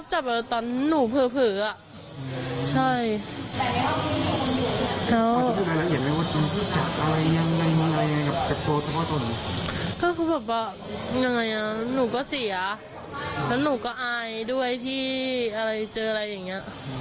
หนูก็เสียแล้วหนูก็อายด้วยที่เจออะไรอย่างนี้